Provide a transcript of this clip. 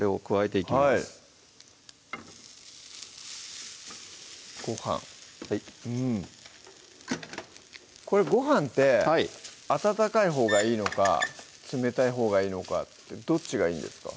はいご飯うんこれご飯って温かいほうがいいのか冷たいほうがいいのかどっちがいいんですか？